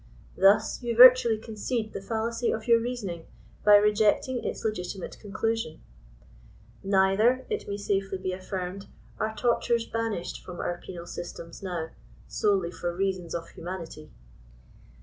Thus you virtually concede the fallacy of your reasoning, by rejecting its legitimate conclusion. Neither — it may safely be affirmed — are tortures banished from our penal systems now, solely for reasons of humanity.